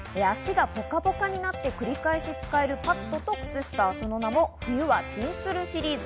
足がポカポカになって繰り返し使えるパットと靴下、その名も「冬はチンするシリーズ」。